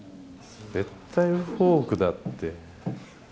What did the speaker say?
絶対フォークだって。